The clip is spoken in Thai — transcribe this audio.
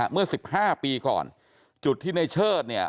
เมื่อ๑๕ปีก่อนจุดที่ในเชิดเนี่ย